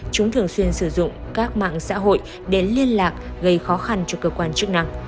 chúng thường xuyên sử dụng các mạng xã hội để liên lạc gây khó khăn cho cơ quan chức năng